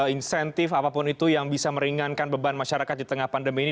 insentif apapun itu yang bisa meringankan beban masyarakat di tengah pandemi ini